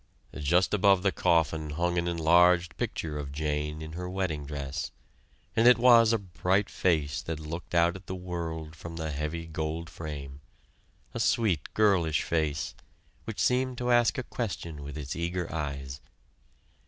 Just above the coffin hung an enlarged picture of "Jane" in her wedding dress, and it was a bright face that looked out at the world from the heavy gold frame, a sweet girlish face, which seemed to ask a question with its eager eyes.